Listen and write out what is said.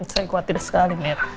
saya khawatir sekali mir